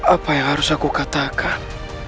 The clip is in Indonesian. apa yang harus aku katakan